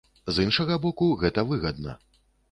З іншага боку, гэта выгадна.